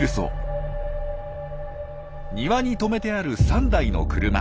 庭に止めてある３台の車。